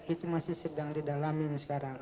itu masih sedang didalamin sekarang